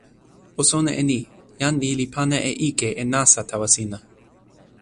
o sona e ni: jan ni li pana e ike e nasa tawa sina.